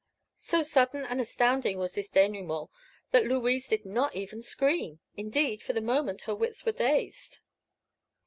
So sudden and astounding was this denouement that Louise did not even scream. Indeed, for the moment her wits were dazed.